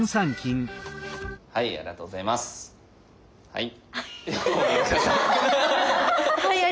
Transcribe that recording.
はい。